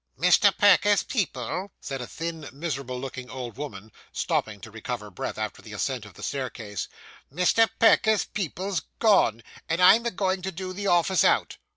'Mr. Perker's people,' said a thin, miserable looking old woman, stopping to recover breath after the ascent of the staircase 'Mr. Perker's people's gone, and I'm a goin' to do the office out.